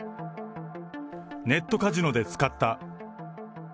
ネットカジノで使った。